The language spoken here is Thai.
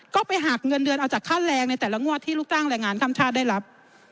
ก็ไปหักเงินเดือนเอาจากค่าแรงในแต่ละงวดที่ลูกจ้างแรงงานข้ามชาติได้รับ